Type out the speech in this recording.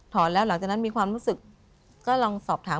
แล้วหลังจากนั้นมีความรู้สึกก็ลองสอบถาม